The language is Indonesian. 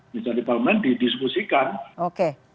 meja di parlement didiskusi dan meja di pemerintah